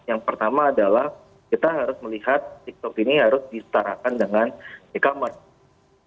yang pertama adalah kita harus melihat tiktok ini harus disetarakan dengan e commerce